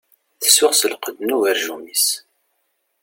Tsuɣ s lqedd n ugerjum-is.